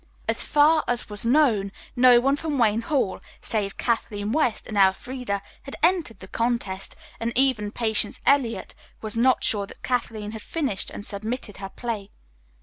As far as was known, no one from Wayne Hall, save Kathleen West and Elfreda, had entered the contest, and even Patience Eliot was not sure that Kathleen had finished and submitted her play.